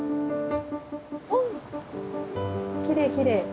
おきれいきれい。